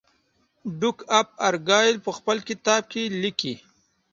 ډوک آف ارګایل په خپل کتاب کې لیکي.